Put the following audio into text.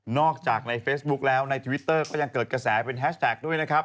จากในเฟซบุ๊คแล้วในทวิตเตอร์ก็ยังเกิดกระแสเป็นแฮชแท็กด้วยนะครับ